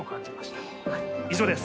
以上です。